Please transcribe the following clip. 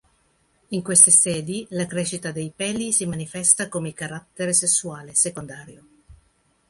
In queste sedi la crescita dei peli si manifesta come carattere sessuale secondario.